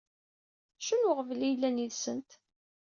Acu n weɣbel i yellan yid-sent?